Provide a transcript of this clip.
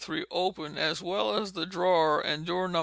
3 open as well as the drawer, and door No.